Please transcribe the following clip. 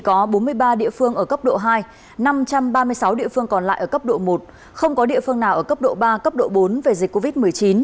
có bốn mươi ba địa phương ở cấp độ hai năm trăm ba mươi sáu địa phương còn lại ở cấp độ một không có địa phương nào ở cấp độ ba cấp độ bốn về dịch covid một mươi chín